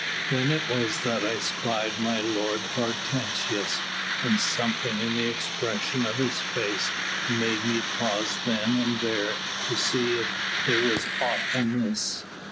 Then it was that I spied my lord Hortensius, and something in the expression of his face made me pause then and there to see if there was aught amiss."